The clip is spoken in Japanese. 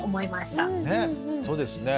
そうですね。